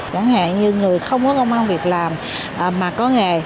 chẳng hạn như người không có công an việc làm mà có nghề